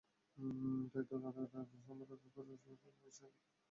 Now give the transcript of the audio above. তাই ত্বকে আর্দ্রতার ভারসাম্য রক্ষা করার জন্য হালকা ময়েশ্চারাইজার ব্যবহার করতে পারেন।